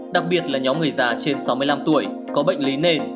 đặc biệt là nhóm người già trên sáu mươi năm tuổi có bệnh lý nền